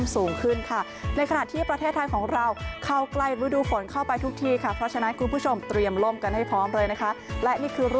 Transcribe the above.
สวัสดีค่ะ